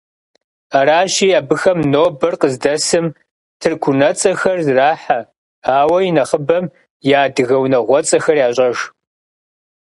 Аращи, абыхэм нобэр къыздэсым тырку унэцӏэхэр зэрахьэ, ауэ инэхъыбэм я адыгэ унагъуэцӏэхэр ящӏэж.